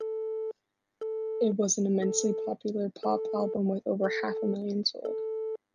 It was an immensely popular pop album with over half a million sold.